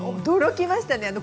驚きましたね。